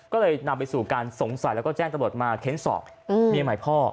ก็เลยนำไปสู่การสงสัยและแจ้งตะบดมาเค้นศอกเมียใหม่พ่อ